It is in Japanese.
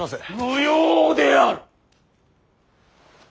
無用である！